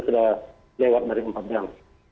sudah lewat dari empat jam